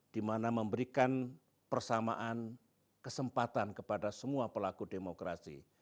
dimana memberikan persamaan kesempatan kepada semua pelaku demokrasi